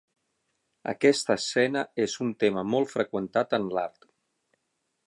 Aquesta escena és un tema molt freqüentat en l'art.